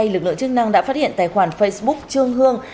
lực lượng chức năng đã phát hiện tài khoản facebook trương hương